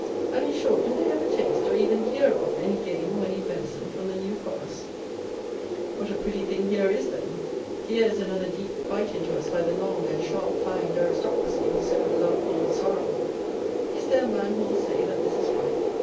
And, in short, do they ever taste, or even hear of, any game, or any venison, from the New Forest? What a pretty thing here is, then! Here is another deep bite into us by the long and sharp fanged Aristocracy, who so love Old Sarum! Is there a man who will say that this is right?